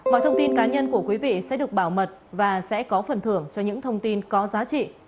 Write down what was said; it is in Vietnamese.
mọi thông tin cá nhân của quý vị sẽ được bảo mật và sẽ có phần thưởng cho những thông tin có giá trị